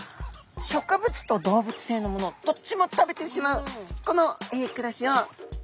植物と動物性のものどっちも食べてしまうこの暮らしを雑食性っていうんですね。